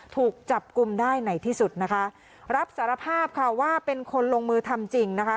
ถูกจับกลุ่มได้ในที่สุดนะคะรับสารภาพค่ะว่าเป็นคนลงมือทำจริงนะคะ